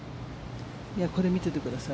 これ見ててください。